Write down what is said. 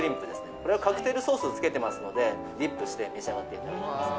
これはカクテルソースつけてますのでディップして召し上がっていただきます